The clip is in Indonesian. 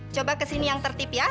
coba kesini yang tertip ya